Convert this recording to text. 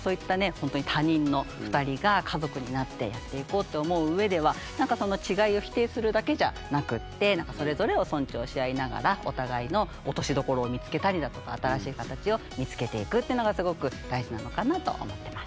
ほんとに他人の２人が家族になってやっていこうと思う上ではその違いを否定するだけじゃなくってそれぞれを尊重し合いながらお互いの落としどころを見つけたりだとか新しい形を見つけていくってのがすごく大事なのかなと思ってます。